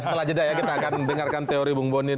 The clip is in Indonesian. setelah jeda ya kita akan dengarkan teori bung boni